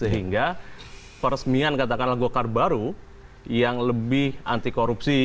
sehingga peresmian katakanlah gokar baru yang lebih anti korupsi